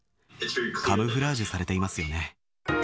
カムフラージュされていますよね。